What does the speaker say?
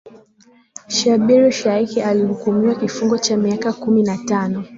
shabir shaik alihukumiwa kifungo cha miaka kumi na tano